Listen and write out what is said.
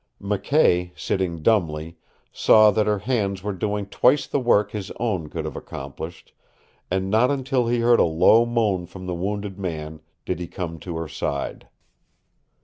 McKay, sitting dumbly, saw that her hands were doing twice the work his own could have accomplished, and not until he heard a low moan from the wounded man did he come to her side.